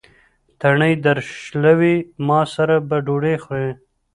تڼۍ درشلوي: ما سره به ډوډۍ خورې.